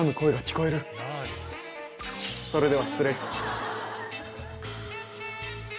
それでは失礼。